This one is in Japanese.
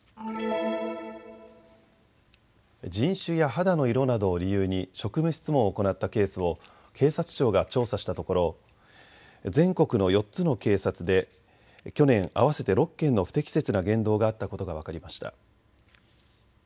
人種や肌の色などを理由に職務質問を行ったケースを警察庁が調査したところ全国の４つの警察で去年合わせて６件の不適切な言動があったことが分かりました。